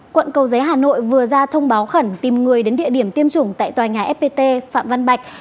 quận cầu giấy hà nội vừa ra thông báo khẩn tìm người đến địa điểm tiêm chủng tại tòa nhà fpt phạm văn bạch